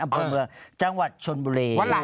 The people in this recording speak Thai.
อำเภอเมืองจังหวัดชนบุรี